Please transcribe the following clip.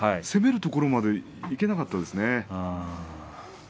攻めるところまでいけなかったですね。